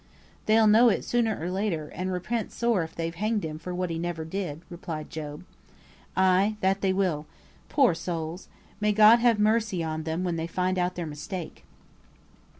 "They'll know it sooner or later, and repent sore if they've hanged him for what he never did," replied Job. "Ay, that they will. Poor souls! May God have mercy on them when they find out their mistake."